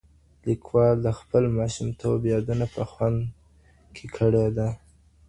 لیکوال د خپل ماشومتوب یادونه په خوند کي کړې ده.